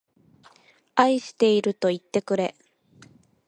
愛しているといってくれ